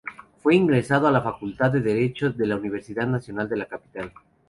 Fue egresado de la Facultad de Derecho de la Universidad Nacional de la Capital.